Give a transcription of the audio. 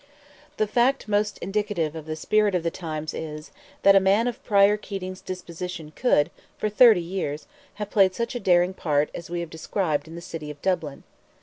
The fact most indicative of the spirit of the times is, that a man of Prior Keating's disposition could, for thirty years, have played such a daring part as we have described in the city of Dublin.